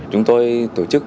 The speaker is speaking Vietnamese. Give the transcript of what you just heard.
chúng tôi tổ chức